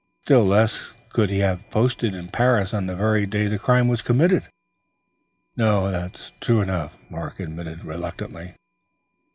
"Still less could he have posted it in Paris on the very day the crime was committed." "No, that's true enough," Mark admitted reluctantly.